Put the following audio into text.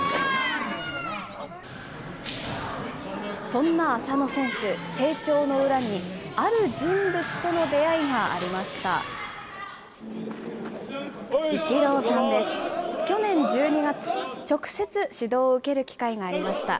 そんな浅野選手、成長の裏にある人物との出会いがありました。